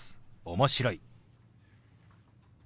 「面白い」。